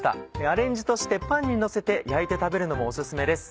アレンジとしてパンにのせて焼いて食べるのもお薦めです。